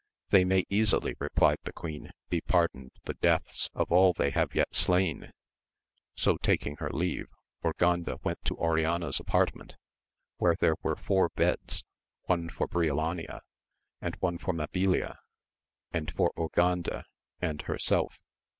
They may easily, replied the queen, be pardoned the deaths of all they have yet slain ! So taking her leave, Urganda went to Oriana's apartment, where there were four beds, one for Briolania, and one for Mabilia, and for Urganda and herself.